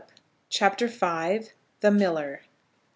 CHAPTER V. THE MILLER.